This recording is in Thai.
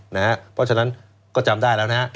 เพราะฉะนั้นก็จำได้แล้วนะฮะ